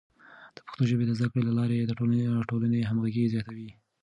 د پښتو ژبې د زده کړې له لارې د ټولنې همغږي زیاتوي.